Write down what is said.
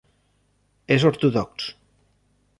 És ortodox.